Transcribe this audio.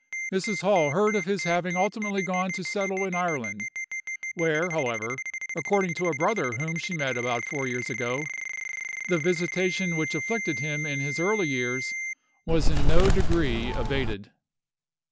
Mrs. Hall heard of his having ultimately gone to settle in Ireland, where, however, according to a brother whom she met about four years ago, the visitation which afflicted him in his early years was in no degree abated."